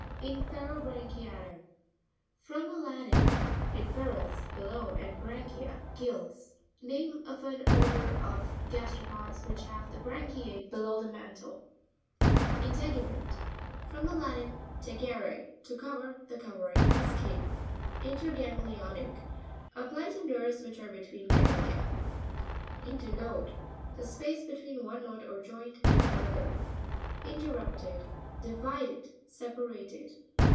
In'PEROBRANCHIA'TA.—From the Lat in, inferus, below, and branchia, gills. Name of an order of gas teropods which have the branchiz below the mantle (page 62). Inte'cumMEnT.—From the Latin, te gere, to cover, the covering, the skin. ; In'TERGANGLIO'NIc. — Applied to nerves which are between ganglia. In'TERNoDE.—The space between one knot or joint and another. InrERRU'pTED.— Divided, separated.